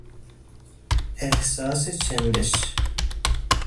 احساس چندش